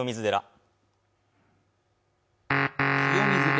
清水寺。